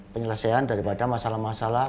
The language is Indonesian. penyelesaian daripada masalah masalah